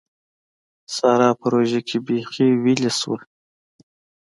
سارا په روژه کې بېخي ويلې شوه.